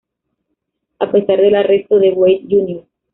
A pesar del arresto de Wade Jr.